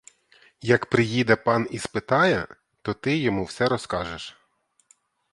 Як приїде пан і спитає, то ти йому все розкажеш.